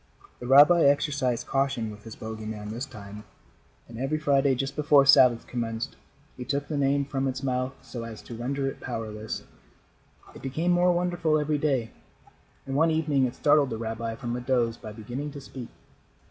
The rabbi exercised caution with his bogey man this time, and every Friday, just before Sabbath commenced, he took the name from its mouth so as to render it powerless. It became more wonderful every day, and one evening it startled the rabbi from a doze by beginning to speak.